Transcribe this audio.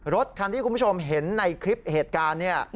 รถคันที่คุณผู้ชมเห็นในคลิปเหตุการณ์เนี่ย